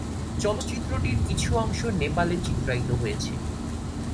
চলচ্চিত্রটির কিছু অংশ নেপালে চিত্রায়িত হয়েছে।